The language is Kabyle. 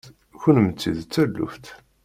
Kennemti d taluft.